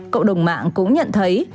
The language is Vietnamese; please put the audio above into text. cộng đồng mạng cũng nhận thấy